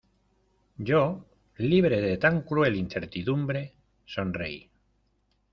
yo, libre de tan cruel incertidumbre , sonreí: